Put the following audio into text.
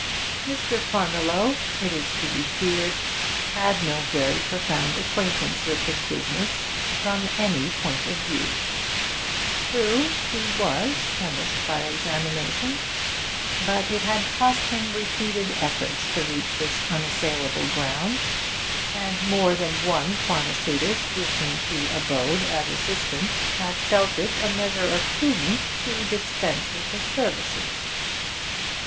Mr. Farmiloe, it is to be feared, had no very profound acquaintance with his business from any point of view. True, he was 'chemist by examination,' but it had cost him repeated efforts to reach this unassailable ground and more than one pharmaceutist with whom he abode as assistant had felt it a measure of prudence to dispense with his services.